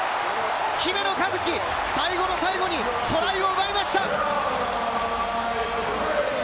姫野和樹、最後の最後にトライを奪いました！